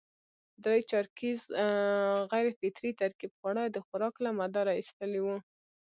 درې چارکیز غیر فطري ترکیب خواړه د خوراک له مداره اېستلي وو.